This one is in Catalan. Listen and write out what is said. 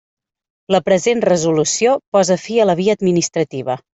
La present resolució posa fi a la via administrativa.